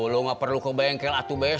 lu ga perlu ke bengkel atubes